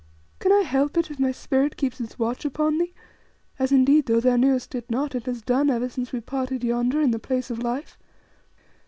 Can I help it if my spirit keeps its watch upon thee, as indeed, though thou knewest it not, it has done ever since we parted yonder in the Place of Life?